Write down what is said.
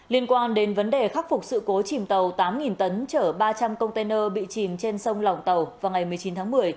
liên quan đến vấn đề khắc phục sự cố chìm tàu tám tấn chở ba trăm linh container bị chìm trên sông lòng tàu vào ngày một mươi chín tháng một mươi